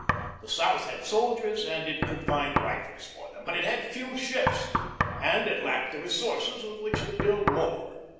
The South had soldiers, and it could find rifles for them. But it had few ships, and it lacked the resources with which to build more.